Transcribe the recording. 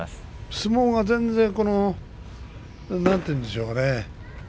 相撲が全然なんて言うんですかね